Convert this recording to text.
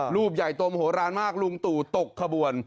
รูปใหญ่โตโมโหลานมากลุงตู่ตกขบวน